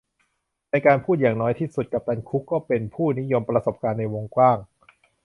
ในการพูดอย่างน้อยที่สุดกัปตันคุกก็เป็นผู้นิยมประสบการณ์ในวงกว้าง